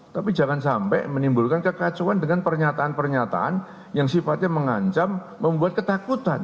tapi jangan sampai menimbulkan kekacauan dengan pernyataan pernyataan yang sifatnya mengancam membuat ketakutan